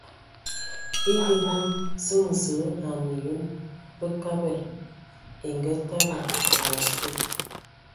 Eyǝ hm ziŋ zəǝ ai myɔŋ Bəkabad e ngatadi am̌os te.